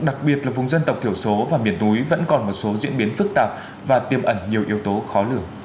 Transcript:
đặc biệt là vùng dân tộc thiểu số và miền núi vẫn còn một số diễn biến phức tạp và tiêm ẩn nhiều yếu tố khó lường